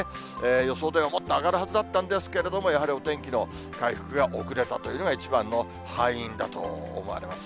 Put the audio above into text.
予想ではもっと上がるはずだったんですけれども、やはりお天気の回復が遅れたというのが一番の敗因だと思われます。